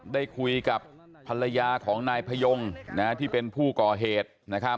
ได้คุยกับภรรยาของนายพยงที่เป็นผู้ก่อเหตุ